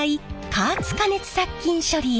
加圧加熱殺菌処理へ。